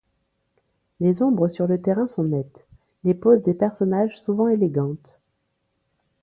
Les ombres sur le terrain sont nettes, les poses des personnages souvent élégantes.